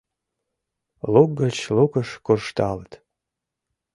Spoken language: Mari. Лук гыч лукыш куржталыт.